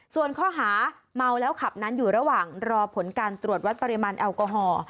ส่วนข้อหาเมาแล้วขับนั้นอยู่ระหว่างรอผลการตรวจวัดปริมาณแอลกอฮอล์